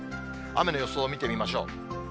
雨の予想を見てみましょう。